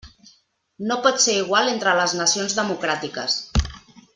No pot ser igual entre les nacions democràtiques.